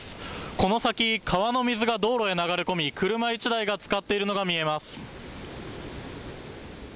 この先、川の水が道路へ流れ込み、車１台がつかっているのが見えます。